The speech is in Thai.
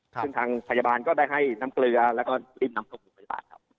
ซึ่งทางพยาบาลก็ได้ให้น้ำเกลือแล้วก็รีบนำส่งโรงพยาบาลครับ